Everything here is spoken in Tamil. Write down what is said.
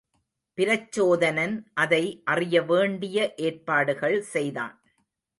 பிரச்சோதனன் அதை அறியவேண்டிய ஏற்பாடுகள் செய்தான்.